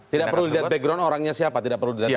tidak perlu lihat background orangnya siapa tidak perlu lihat